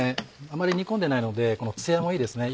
あまり煮込んでないのでツヤもいいですね。